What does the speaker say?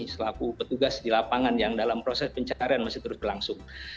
selaku petugas di lapangan yang dalam proses pencarian masih terus berlangsung